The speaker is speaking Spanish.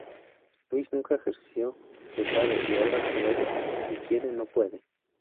Luis nunca ejerció de padre y ahora que debe y quiere, no puede.